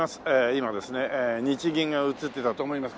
今ですね日銀が映ってたと思います。